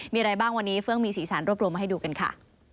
มีอะไรบ้างวันนี้เฟื่องมีสีสันรวบรวมมาให้ดูกันค่ะ